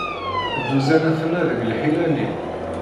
Dduzan aten-a deg lḥila-nni.